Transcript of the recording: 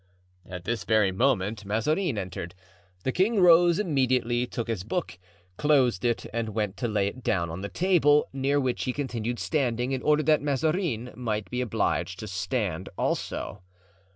At this very moment Mazarin entered. The king rose immediately, took his book, closed it and went to lay it down on the table, near which he continued standing, in order that Mazarin might be obliged to stand also.